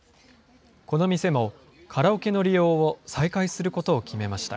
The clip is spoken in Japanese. この店もカラオケの利用を再開することを決めました。